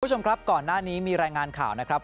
คุณผู้ชมครับก่อนหน้านี้มีรายงานข่าวนะครับ